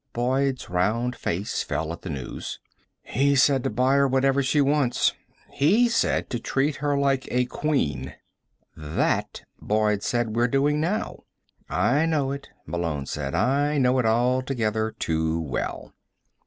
Boyd's round face fell at the news. "He said to buy her whatever she wants. He says to treat her like a queen." "That," Boyd said, "we're doing now." "I know it," Malone said. "I know it altogether too well."